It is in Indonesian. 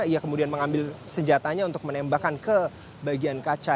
ia kemudian mengambil senjatanya untuk menembakkan ke bagian kaca